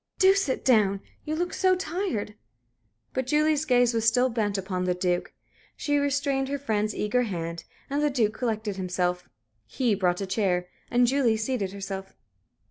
"Do sit down. You look so tired." But Julie's gaze was still bent upon the Duke. She restrained her friend's eager hand, and the Duke collected himself. He brought a chair, and Julie seated herself.